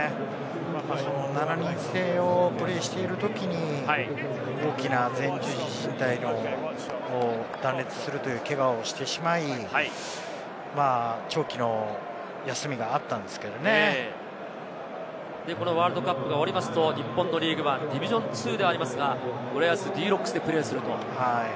７人制をプレーしているときに大きな、前十字靭帯を断裂するというけがをしてしまい、長期の休みがこのワールドカップが終わると、日本のリーグワン・ディビジョン２ではありますが、浦安Ｄ−Ｒｏｃｋｓでプレーすると。